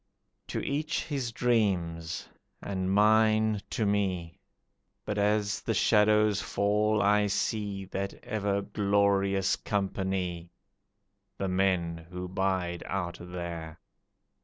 To each his dreams, and mine to me, But as the shadows fall I see That ever glorious company The men who bide out there.